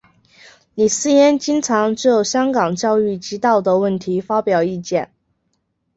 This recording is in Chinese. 李偲嫣经常就香港教育及道德问题发表意见。